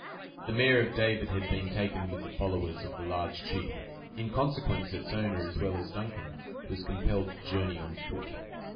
The mare of David had been taken with the followers of the large chief; in consequence, its owner, as well as Duncan, was compelled to journey on foot.